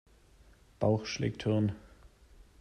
Bauch schlägt Hirn.